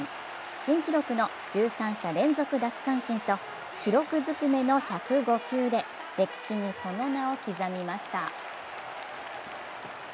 新記録の１３者連続奪三振と記録ずくめの１０５球で歴史にその名を刻みました。